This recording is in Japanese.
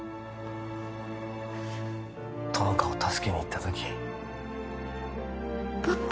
友果を助けに行った時パパ